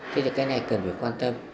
thế thì cái này cần phải quan tâm